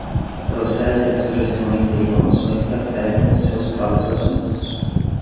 Processe as sugestões e reclamações que afetam seus próprios assuntos.